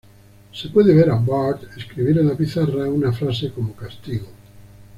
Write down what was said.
Se puede ver a Bart escribir en la pizarra una frase como castigo.